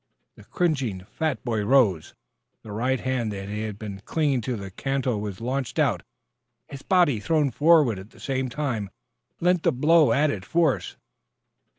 The cringing fat boy rose. The right hand that had been clinging to the cantle was launched out. His body, thrown forward at the same time, lent the blow added force.